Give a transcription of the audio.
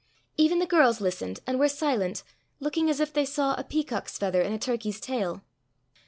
Even the girls listened and were silent, looking as if they saw a peacock's feather in a turkey's tail.